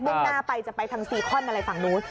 ่งหน้าไปจะไปทางซีคอนอะไรฝั่งนู้น